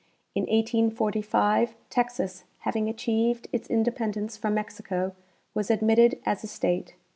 In 1845 Texas, having achieved its independence from Mexico, was admitted as a state.